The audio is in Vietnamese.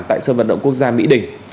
tại sơn vận động quốc gia mỹ đình